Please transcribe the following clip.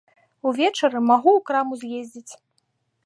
Увечары магу ў краму з'ездзіць.